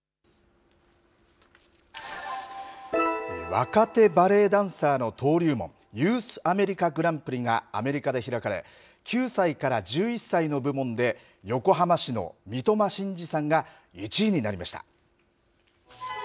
若手バレエダンサーの登竜門、ユース・アメリカ・グランプリがアメリカで開かれ、９歳から１１歳の部門で、横浜市の三苫心嗣さんが１位になりました。